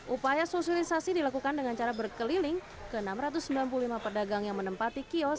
upaya sosialisasi dilakukan dengan cara berkeliling ke enam ratus sembilan puluh lima pedagang yang menempati kios